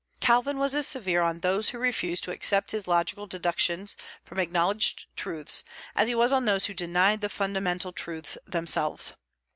Calvin was as severe on those who refused to accept his logical deductions from acknowledged truths as he was on those who denied the fundamental truths themselves.